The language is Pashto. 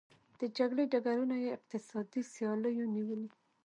د جګړې ډګرونه یې اقتصادي سیالیو نیولي.